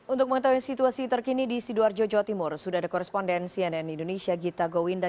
untuk mengetahui situasi terkini di sidoarjo jawa timur sudah ada koresponden cnn indonesia gita gowinda